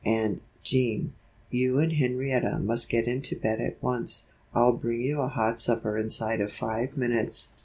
And, Jean, you and Henrietta must get into bed at once. I'll bring you a hot supper inside of five minutes."